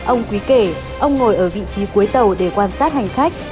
ông quý kể ông ngồi ở vị trí cuối tàu để quan sát hành khách